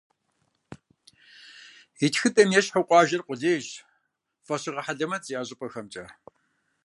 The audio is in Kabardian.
И тхыдэм ещхьу, къуажэр къулейщ фӏэщыгъэ хьэлэмэт зиӏэ щӏыпӏэхэмкӏэ.